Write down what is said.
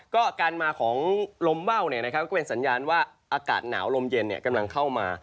ก็การมาของลมว่าวก็เป็นสัญญาณว่าอากาศหนาวลมเย็นกำลังเข้ามา